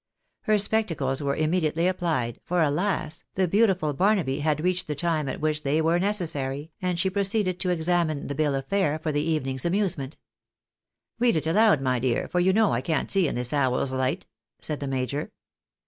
Her spectacles were immediately applied, for alas ! the beautiful Barnaby had reached the time at which they were necessary, and she proceeded to examine the bill of fare for the evening's amusement. " Read it aloud, my dear, for you know I can't see in this owl's light," said the major.